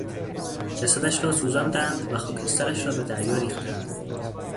جسدش را سوزاندند و خاکسترش را به دریا ریختند.